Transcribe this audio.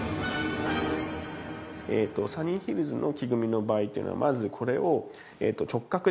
サニーヒルズの木組みの場合というのはまず。